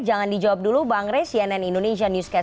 jangan dijawab dulu bang rey cnn indonesia newscast